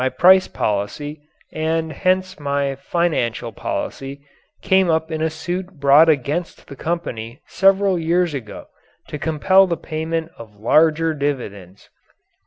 My price policy and hence my financial policy came up in a suit brought against the company several years ago to compel the payment of larger dividends.